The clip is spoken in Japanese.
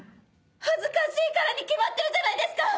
恥ずかしいからに決まってるじゃないですか！